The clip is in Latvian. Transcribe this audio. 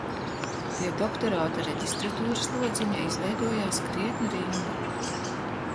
Pie doktorāta reģistratūras lodziņa izveidojās krietna rinda